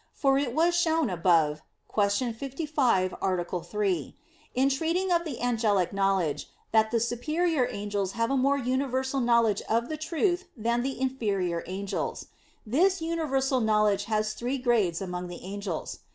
For it was shown above (Q. 55, A. 3), in treating of the angelic knowledge, that the superior angels have a more universal knowledge of the truth than the inferior angels. This universal knowledge has three grades among the angels.